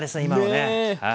今のね。ね。